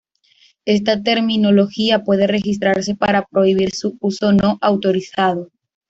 Esta terminología puede registrarse para prohibir su uso no autorizado.